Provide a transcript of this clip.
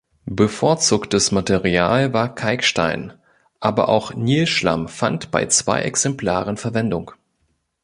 Bevorzugtes Material war Kalkstein, aber auch Nilschlamm fand bei zwei Exemplaren Verwendung.